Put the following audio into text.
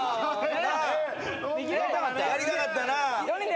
やりたかったなぁ？